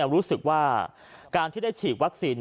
รู้สึกว่าการที่ได้ฉีดวัคซีน